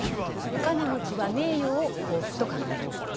お金持ちは「名誉」を幸福と考える。